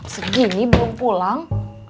segini belum pulang